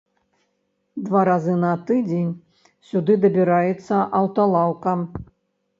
Два разы на тыдзень сюды дабіраецца аўталаўка.